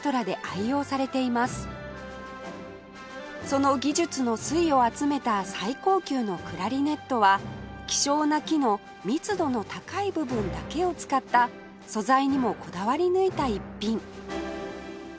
その技術の粋を集めた最高級のクラリネットは希少な木の密度の高い部分だけを使った素材にもこだわり抜いた逸品